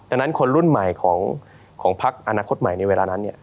ดังนั้นคนรุ่นใหม่ของพักอนาคตใหม่ในเวลานั้น